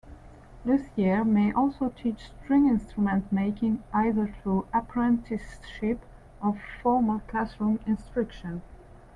Luthiers may also teach string-instrument making, either through apprenticeship or formal classroom instruction.